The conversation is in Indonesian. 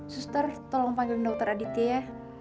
suster tolong panggil dokter aditya